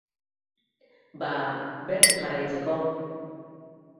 Bada, berdin jarraitzeko.